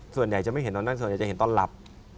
ส่วนใหญ่จะไม่เห็นตอนนั้นส่วนใหญ่จะเห็นตอนหลับ